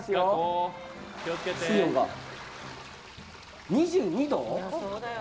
水温が２２度？